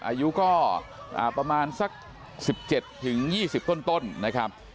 อายุก็ประมาณสัก๑๗๒๐ต้นนะครับ